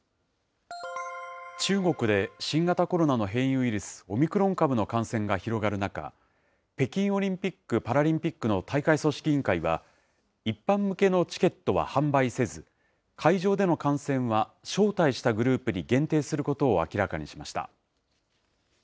中国で新型コロナの変異ウイルス、オミクロン株の感染が広がる中、北京オリンピック・パラリンピックの大会組織委員会は、一般向けのチケットは販売せず、会場での観戦は招待したグループに限定することを明らかにしました。